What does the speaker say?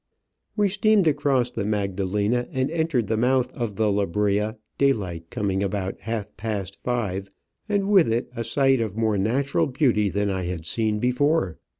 We steamed across the Magdalena and entered the mouth of the Lebrija, daylight coming about half past five, and with it a sight of more natural beauty than I had seen before.